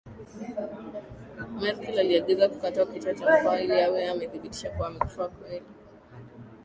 Merkl aliagiza kukatwa kichwa cha Mkwawa ili awe na uthibitisho kuwa amekufa kweli